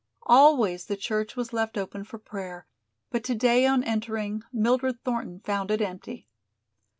Always the church was left open for prayer, but today on entering Mildred Thornton found it empty.